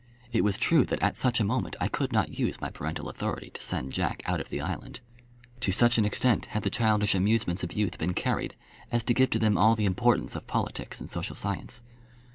It was true that at such a moment I could not use my parental authority to send Jack out of the island. To such an extent had the childish amusements of youth been carried, as to give to them all the importance of politics and social science.